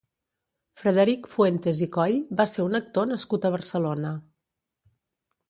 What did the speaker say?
Frederic Fuentes i Coll va ser un actor nascut a Barcelona.